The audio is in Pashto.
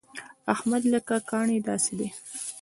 احمد لکه کاڼی داسې دی.